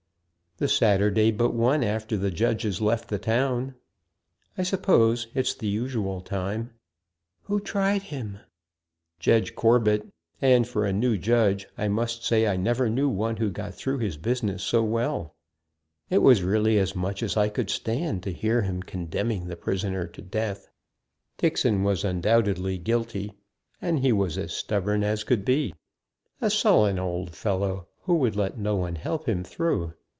"The Saturday but one after the Judges left the town, I suppose it's the usual time." "Who tried him?" "Judge Corbet; and, for a new judge, I must say I never knew one who got through his business so well. It was really as much as I could stand to hear him condemning the prisoner to death. Dixon was undoubtedly guilty, and he was as stubborn as could be a sullen old fellow who would let no one help him through.